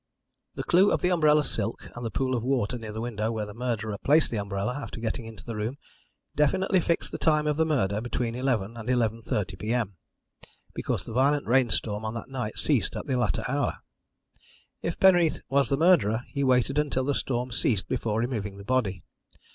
"The clue of the umbrella silk, and the pool of water near the window where the murderer placed the umbrella after getting into the room, definitely fixed the time of the murder between eleven and 11.30 p.m., because the violent rainstorm on that night ceased at the latter hour. If Penreath was the murderer, he waited until the storm ceased before removing the body.